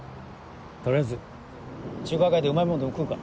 取りあえず中華街でうまいもんでも食うか。